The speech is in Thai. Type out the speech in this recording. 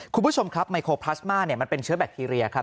คุณผู้ชมครับไมโครพลาสมาเนี่ยมันเป็นเชื้อแบคทีเรียครับ